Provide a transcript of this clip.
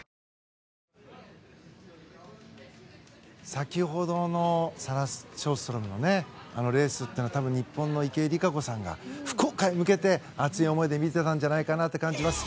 先ほどのサラ・ショーストロムのレースというのは日本の池江璃花子さんが福岡へ向けて熱い思いで見てたんじゃないかと感じます。